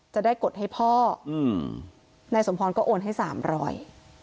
จะได้กดให้พ่ออืมนายสมพรก็โอนให้สามร้อย